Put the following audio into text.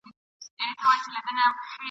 انګرېزان له دې جګړې کولوعاجزه دي.